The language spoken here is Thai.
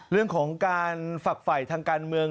เรื่องของการฝักฝ่ายทางการเมือง